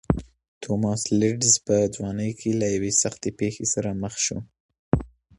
توماس لېډز په ځوانۍ کې له یوې سختې پېښې سره مخ شو.